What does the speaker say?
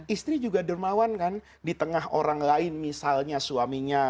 istri juga dermawan kan di tengah orang lain misalnya suaminya